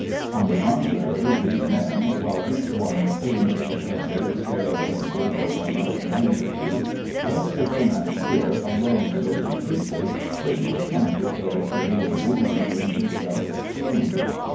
On the contrary, these men, while each one threw Mr. Putchett a stare of greater or less magnitude, let the financier alone so completely that he was conscious of a severe wound in his self esteem.